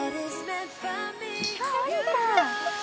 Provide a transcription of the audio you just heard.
あっ下りた。